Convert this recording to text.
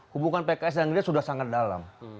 hubungan pks dan gerindra sudah sangat dalam